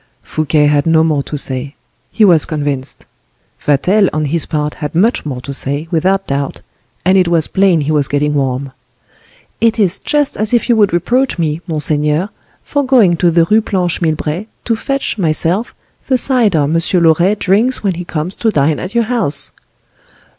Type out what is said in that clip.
Fouquet had no more to say; he was convinced. Vatel, on his part, had much more to say, without doubt, and it was plain he was getting warm. "It is just as if you would reproach me, monseigneur, for going to the Rue Planche Milbray, to fetch, myself, the cider M. Loret drinks when he comes to dine at your house."